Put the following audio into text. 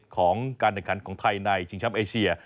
ของการเนื้อกันของไทยในชิงชัพเอเชีย